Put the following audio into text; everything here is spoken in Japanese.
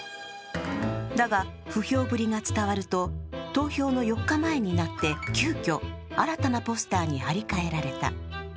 だが不評ぶりが伝わると投票の４日前になって、急きょ、新たなポスターに貼り替えられた。